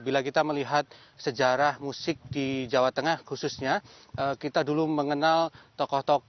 bila kita melihat sejarah musik di jawa tengah khususnya kita dulu mengenal tokoh tokoh musik dan pencipta lagu